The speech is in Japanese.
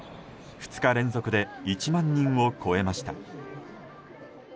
２日連続で１万人を超えました。